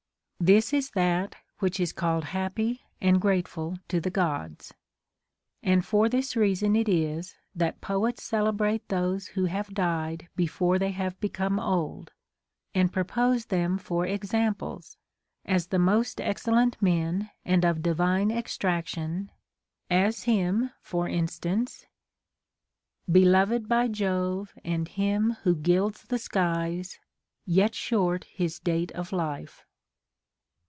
This is that which is called happy and grateful to the Gods. And for this reason it is that poets celebrate those who have died before they have become old, and propose them for examples, as the most excellent men and of divine extraction, as him for instance, Beloved by Jove and liim who gilds the skies, Yet short his date of lifie.